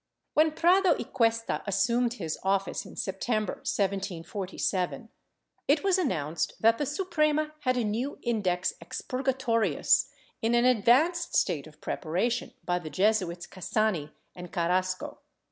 When Prado y Cuesta assumed his office, in September, 1747, it was announced that the Suprema had a new Index Expurgatorius in an advanced state of preparation by the Jesuits Casani and Carrasco.